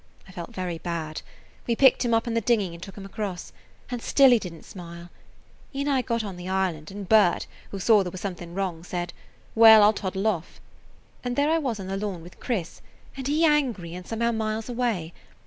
I felt very bad. We picked him up in the dinghy and took him across, and still he did n't smile. He and I got on the island, and Bert, who saw there was something wrong, said, "Well, I 'll toddle off." And there I was on the lawn with Chris, and he angry and somehow miles away.